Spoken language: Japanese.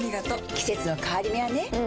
季節の変わり目はねうん。